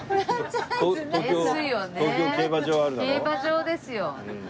競馬場ですよ。